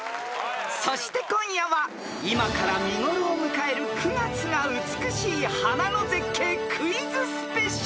［そして今夜は今から見頃を迎える９月が美しい花の絶景クイズスペシャル］